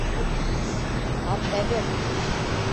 Ат әҙер.